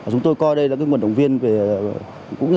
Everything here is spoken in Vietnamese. chúng tôi coi đây là nguồn động viên